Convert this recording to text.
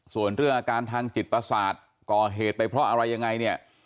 ส่วนเรื่องอาการทางจิตประสาทก่อเหตุไปเพราะอะไรยังไงเนี่ย